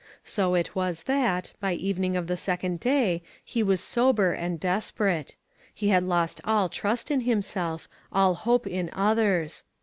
So it was that, by evening of the second day, he was sober and desperate. He had lost all trust in himself, all hope in others.